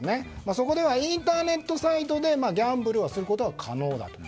そこではインターネットサイトでギャンブルをすることが可能。